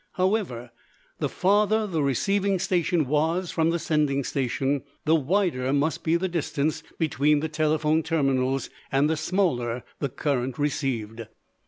However, the farther the receiving station was from the sending station the wider must be the distance between the telephone terminals and the smaller the current received.